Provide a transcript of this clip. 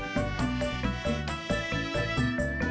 mau ngapel dulu ke rumah neng ineke